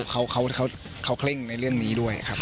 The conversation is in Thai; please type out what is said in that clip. เขาเคร่งในเรื่องนี้ด้วยครับ